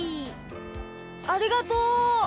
ありがとう！